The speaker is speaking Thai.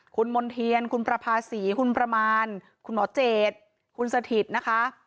คุณมณ์เทียนคุณประภาษีคุณประมาณคุณหมอเจดคุณสถิตนะคะ